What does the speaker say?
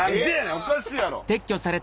おかしいやろ！